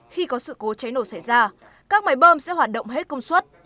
khi có sự cố cháy nổ xảy ra các máy bơm sẽ hoạt động hết công suất